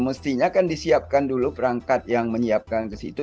mestinya kan disiapkan dulu perangkat yang menyiapkan ke situ